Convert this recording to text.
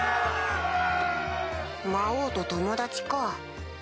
魔王と友達か。